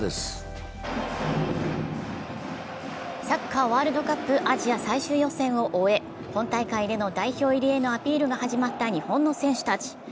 サッカーワールドカップ・アジア最終予選を終え本大会での代表入りへのアピールが始まった日本の選手たち。